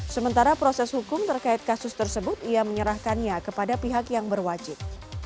sementara proses hukum terkait kasus tersebut ia menyerahkannya kepada pihak yang berwajib